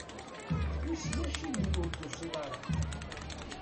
Wissen acimi ur d-tusi ara?